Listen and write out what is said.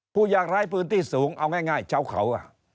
ผู้ยากร้ายพื้นที่สูงเอาง่ายชาวเขา